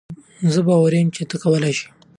زۀ باوري يم چې تۀ یې کولای شې.